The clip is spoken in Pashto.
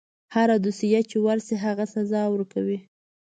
هره دوسیه چې ورشي هغه سزا ورکوي.